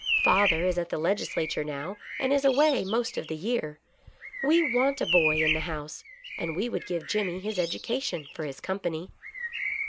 Father is at the Legisla ture now, and is away most of the year. We want a boy in the house, and we would give Jimmy his educa tion for his company."